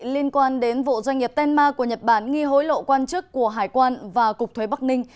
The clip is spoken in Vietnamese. liên quan đến vụ doanh nghiệp tenma của nhật bản nghi hối lộ quan chức của hải quan và cục thuế bắc ninh